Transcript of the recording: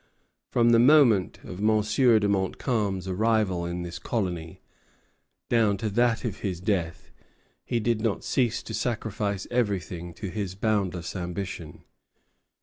From the moment of Monsieur de Montcalm's arrival in this colony, down to that of his death, he did not cease to sacrifice everything to his boundless ambition.